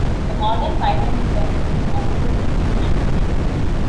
A modern pyrometer has an optical system and a detector.